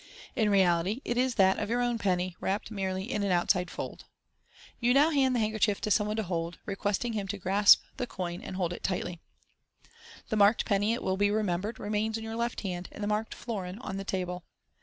In reality, it is that of your own penny, wrapped merely in an outside fold. You now hand the handkerchief to some one to hold, requesting him to grasp the coin, and hold tightly. The marked penny, it will be remembered, remains in your left hand, and the marked florin on the table.